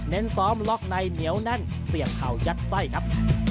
ซ้อมล็อกในเหนียวแน่นเสียบเข่ายัดไส้ครับ